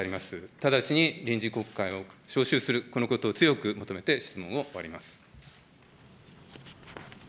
直ちに臨時国会を召集する、このことを強く求めて、質問を終わります。